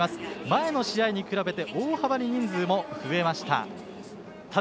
前の試合に比べて大幅に人数も増えました。